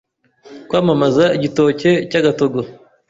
Kwamamaza Igitoke cy’agatogo